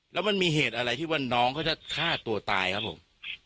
แล้วมันมีเหตุอะไรที่ว่าน้องเขาจะฆ่าตัวตายครับผม